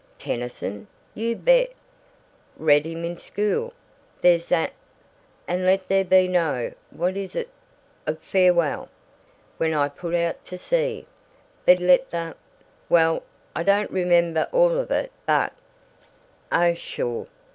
"Tennyson? You bet. Read him in school. There's that: And let there be no (what is it?) of farewell When I put out to sea, But let the Well, I don't remember all of it but Oh, sure!